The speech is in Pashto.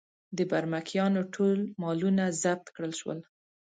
د برمکیانو ټول مالونه ضبط کړل شول.